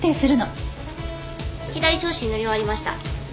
左小指塗り終わりました。